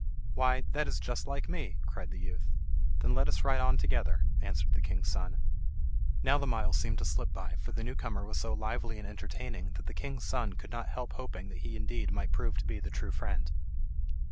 Why, that is just like me," cried the youth. "Then let us ride on together," answered the king's son. Now the miles seemed to slip by, for the new comer was so lively and entertaining that the king's son could not help hoping that he indeed might prove to be the true friend.